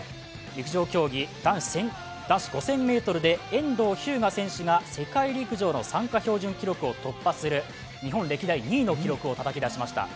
陸上競技、男子５０００ｍで遠藤日向選手が世界陸上の参加標準記録を突破する日本歴代２位の記録をたたき出しました。